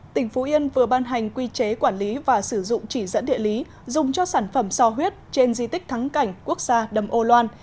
tỉnh phú yên vừa ban hành quy chế quản lý và sử dụng chỉ dẫn địa lý dùng cho sản phẩm so huyết trên di tích thắng cảnh quốc gia đầm âu loan